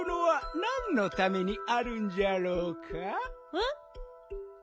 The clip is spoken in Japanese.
えっ？